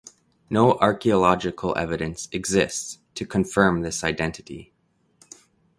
No archaeological evidence exists to confirm this identity.